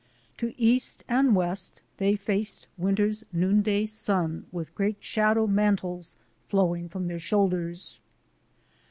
To east and west they faced winter's noonday sun with great shadow mantles flowing from their shoulders.